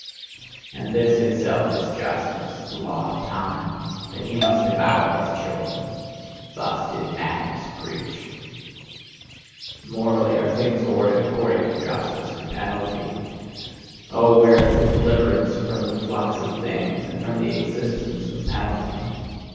"And this itself is justice, the law of time that he must devour his children:" thus did madness preach. "Morally are things ordered according to justice and penalty. Oh, where is there deliverance from the flux of things and from the 'existence' of penalty?"